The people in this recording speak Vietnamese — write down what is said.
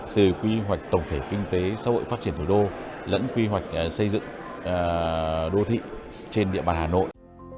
từ quy hoạch tổng thể kinh tế xã hội phát triển thủ đô lẫn quy hoạch xây dựng đô thị trên địa bàn hà nội